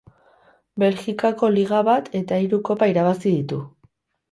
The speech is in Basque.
Belgikako liga bat eta hiru kopa irabazi ditu.